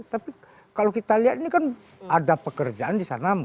tapi kalau kita lihat ini kan ada pekerjaan di sana